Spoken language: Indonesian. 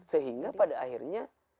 sehingga pada akhirnya